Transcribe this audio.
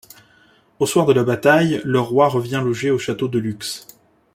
Au soir de la bataille le roi revient loger au château de Lux.